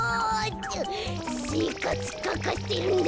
せいかつかかってるんだ。